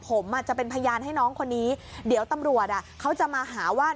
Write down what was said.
ผมอ่ะจะเป็นพยานให้น้องคนนี้เดี๋ยวตำรวจอ่ะเขาจะมาหาว่า